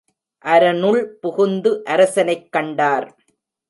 அரணுள் புகுந்து அரசனைக் கண்டார்.